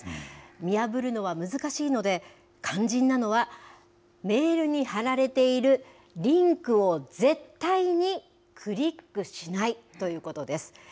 見破るのは難しいので、肝心なのはメールに貼られているリンクを絶対にクリックしないということです。